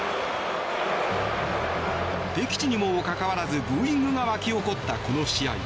敵地にもかかわらずブーイングが沸き起こったこの試合。